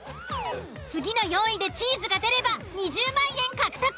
次の４位でチーズが出れば２０万円獲得。